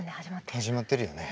始まってるよね。